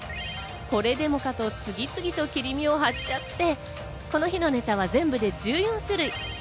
これでもかと次々と切り身を張っちゃって、この日のネタは全部で１４種類。